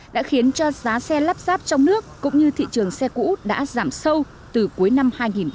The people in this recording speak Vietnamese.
đã khiến cho giá xe lắp ráp trong nước cũng như thị trường xe cũ đã giảm sâu từ cuối năm hai nghìn một mươi tám